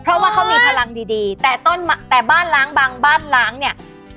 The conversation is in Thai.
เพราะว่าเขามีพลังดีดีแต่ต้นแต่บ้านล้างบางบ้านล้างเนี่ย